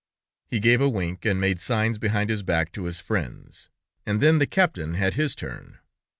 He gave a wink, and made signs behind his back to his friends, and then the captain had his turn.